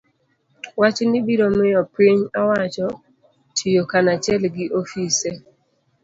Wachni biro miyo piny owacho tiyo kanachiel gi ofise